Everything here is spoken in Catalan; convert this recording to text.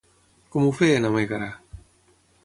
Com ho feien a Mègara?